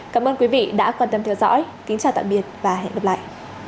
cảm ơn quý vị đã quan tâm theo dõi kính chào tạm biệt và hẹn gặp lại